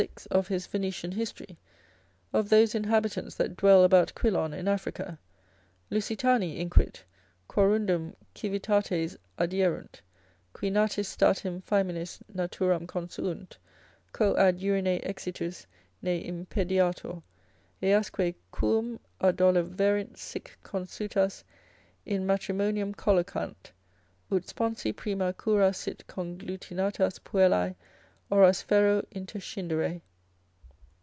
6. of his Venetian history, of those inhabitants that dwell about Quilon in Africa. Lusitani, inquit, quorundum civitates adierunt: qui natis statim faeminis naturam consuunt, quoad urinae exitus ne impediatur, easque quum adoleverint sic consutas in matrimonium collocant, ut sponsi prima cura sit conglutinatas puellae oras ferro interscindere.